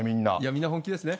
みんな本気ですね。